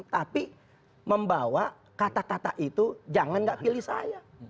tapi membawa kata kata itu jangan nggak pilih saya